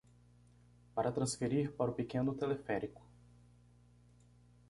Para transferir para o pequeno teleférico